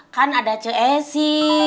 kan ada cu ezi